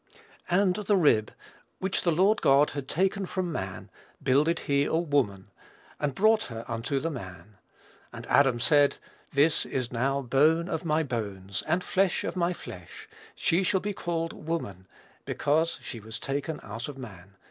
And the rib, which the Lord God had taken from man, builded he a woman, and brought her unto the man. And Adam said, This is now bone of my bones, and flesh of my flesh; she shall be called Woman, because she was taken out of man.